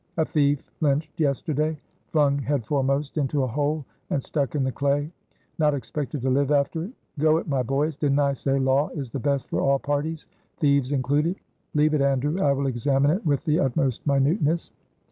'A thief lynched yesterday. Flung headforemost into a hole and stuck in the clay. Not expected to live after it.' Go it, my boys! Didn't I say law is the best for all parties, thieves included? Leave it, Andrew, I will examine it with the utmost minuteness."